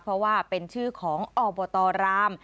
เพราะว่าเป็นชื่อของอบตราม